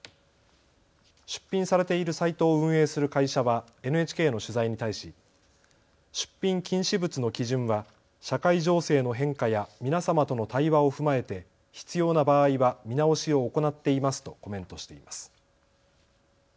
出品されているサイトを運営する会社はＮＨＫの取材に対し出品禁止物の基準は社会情勢の変化や皆様との対話を踏まえて必要な場合は見直しを行っていますとコメントしています。